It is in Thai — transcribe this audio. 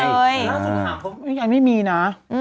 แล้วสัญญาไม่มีนะ